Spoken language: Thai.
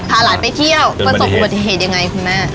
พาหลานไปเที่ยวประสบอุบัติเหตุยังไงคุณแม่